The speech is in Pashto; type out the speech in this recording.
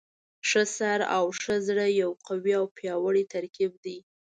ښه سر او ښه زړه یو قوي او پیاوړی ترکیب دی.